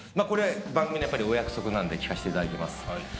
これ番組のお約束なんで聞かせていただきます。